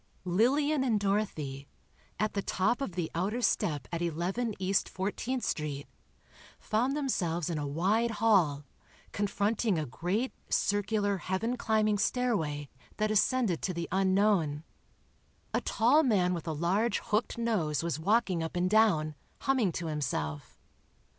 Lillian and Dorothy, at the top of the outer step at 11 East 14th Street, found themselves in a wide hall, confronting a great circular heaven climbing stairway that ascended to the unknown. A tall man with a large hooked nose was walking up and down, humming to himself.